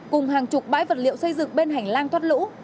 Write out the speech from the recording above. cùng hàng chục bãi vật liệu xây dựng bên hành lang thoát lũ